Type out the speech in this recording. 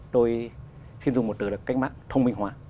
tôi xin dùng một từ là cách mạng thông minh hóa